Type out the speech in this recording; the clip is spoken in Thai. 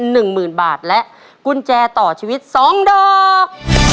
หนึ่งหมื่นบาทและกุญแจต่อชีวิตสองดอก